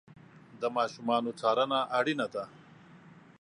د ماشومانو څارنه اړینه ده.